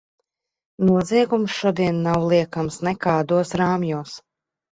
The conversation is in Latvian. Noziegums šodien nav liekams nekādos rāmjos.